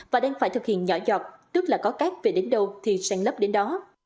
và đang phải thực hiện nhỏ dọt tức là có cát về đến đâu thì sàn lấp đến đó